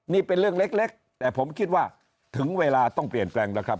นี่เป็นเรื่องเล็กแต่ผมคิดว่าถึงเวลาต้องเปลี่ยนแปลงแล้วครับ